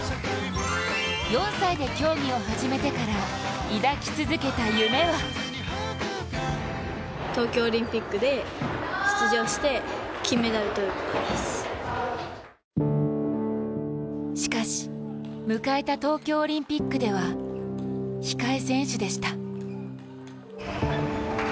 ４歳で競技を始めてから抱き続けた夢はしかし、迎えた東京オリンピックでは控え選手でした。